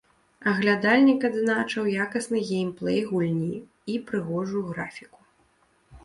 Аглядальнік адзначыў якасны геймплэй гульні і прыгожую графіку.